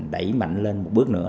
đẩy mạnh lên một bước nữa